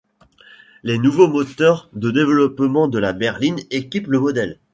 Le nouveau moteur de développant de la berline, équipe le modèle.